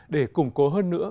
để củng cố hơn nữa